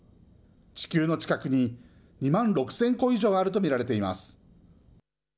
地球の近くに２万６０００個以上あると見られています。